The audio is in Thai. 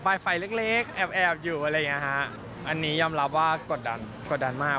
ไฟเล็กเล็กแอบแอบอยู่อะไรอย่างเงี้ยฮะอันนี้ยอมรับว่ากดดันกดดันมาก